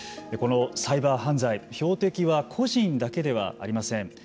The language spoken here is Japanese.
このサイバー犯罪標的は個人だけではありません。